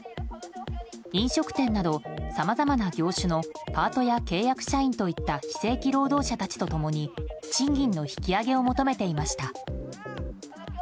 飲食店などさまざまな業種のパートや契約社員といった非正規労働者たちと共に賃金の引き上げを求めていました。